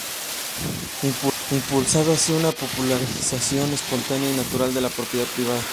Impulsando así una popularización espontánea y natural de la propiedad privada.